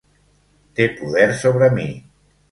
Té poder sobre mi.